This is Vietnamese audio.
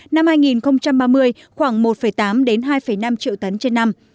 năm hai nghìn ba mươi khoảng một tám hai năm triệu tấn trên năm